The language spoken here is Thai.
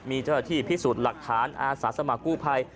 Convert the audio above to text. มีเจ้าหน้าที่พิสูจน์หลักฐานอาสาสมัครกู้ภัย